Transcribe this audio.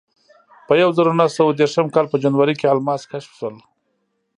په یوه زرو نهه سوه دېرشم کال په جنورۍ کې الماس کشف شول.